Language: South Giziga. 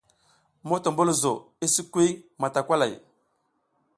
Motombulzo i sikwi matakay.